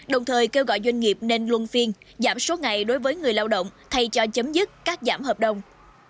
đồng thời kêu gọi doanh nghiệp nên luân phiên giảm số ngày đối với người lao động thay cho chấm dứt các giảm hợp đồng